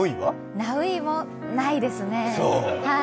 ナウいもないですね。